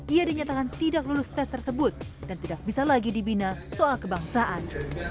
ia dinyatakan tidak lulus tes tersebut dan tidak bisa lagi dibina soal kebangsaan